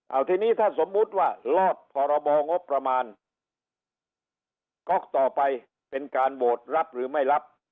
เอาทีนี้ถ้าสมมติว่าหลอดพบมก็ต่อไปเป็นการโหวตรับหรือไม่รับ